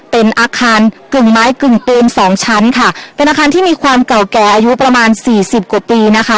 เป็นอาคารกึ่งไม้กึ่งปูนสองชั้นค่ะเป็นอาคารที่มีความเก่าแก่อายุประมาณสี่สิบกว่าปีนะคะ